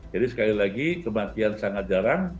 jadi sekali lagi kematian sangat jarang